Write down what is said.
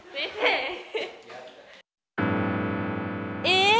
え！